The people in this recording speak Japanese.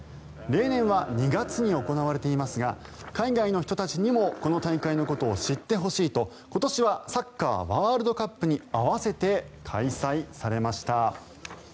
例年は２月に行われていますが海外の人たちにもこの大会のことを知ってほしいと今年はサッカーワールドカップに合わせて開催されました。